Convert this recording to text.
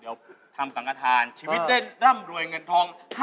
เดี๋ยวทำสังฆฐานชีวิตได้ร่ำรวยเงินทอง